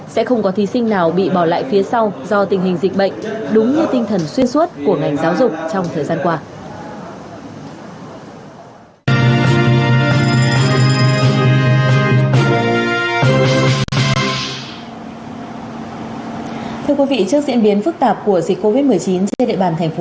sẽ không có thí sinh nào bị bỏ lại phía sau do tình hình dịch bệnh